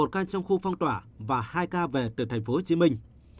một ca trong khu phong tỏa và hai ca về từ thành phố hồ chí minh